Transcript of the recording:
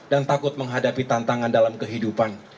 dan takut menghadapi tantangan dalam kehidupan